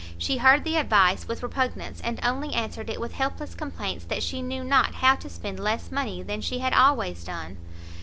she heard the advice with repugnance, and only answered it with helpless complaints that she knew not how to spend less money than she had always done.